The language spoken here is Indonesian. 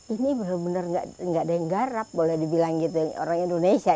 ini bener bener gak ada yang garap boleh dibilang gitu orang indonesia